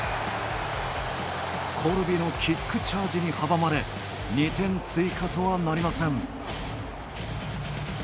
コルビのキックチャージに阻まれ、２点追加とはなりません。